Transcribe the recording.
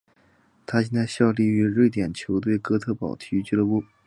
他现在效力于瑞典球队哥特堡体育俱乐部。